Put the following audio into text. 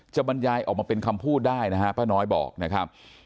บรรยายออกมาเป็นคำพูดได้นะฮะป้าน้อยบอกนะครับ